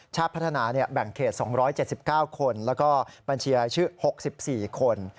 ชาติพัฒนาแบ่งเขต๒๗๙คนแล้วก็บัญชีรายชื่อ๖๔คน